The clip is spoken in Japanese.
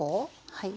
はい。